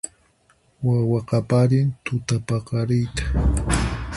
Wawa qaparin tutapaqariyta